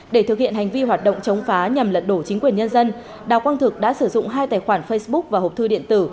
để thực hiện hành vi hoạt động chống phá nhằm lật đổ chính quyền nhân dân đào quang thực đã sử dụng hai tài khoản facebook và hộp thư điện tử